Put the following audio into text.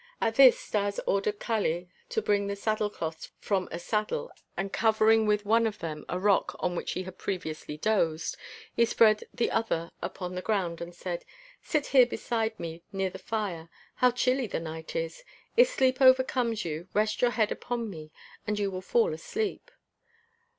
At this Stas ordered Kali to bring the saddle cloths from a saddle and, covering with one of them a rock on which he had previously dozed, he spread the other upon the ground and said: "Sit here beside me near the fire. How chilly the night is! If sleep overcomes you, rest your head upon me and you will fall asleep."